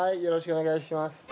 よろしくお願いします。